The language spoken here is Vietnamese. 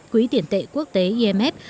quỹ tiền tệ quốc tế imf